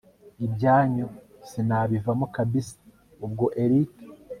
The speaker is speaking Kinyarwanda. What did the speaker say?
ibyanyu sinabivamo kabsa ubwo erick